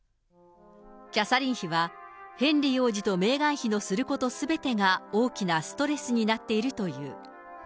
キャサリン妃は、ヘンリー王子とメーガン妃のすることすべてが大きなストレスになっているという。